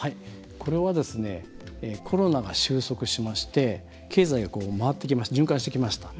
これはコロナが収束しまして経済が循環してきました。